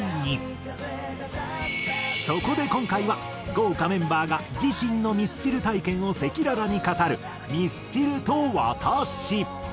そこで今回は豪華メンバーが自身のミスチル体験を赤裸々に語る「ミスチルと私」。